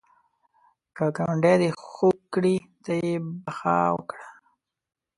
که ګاونډی دی خوږ کړي، ته یې بخښه وکړه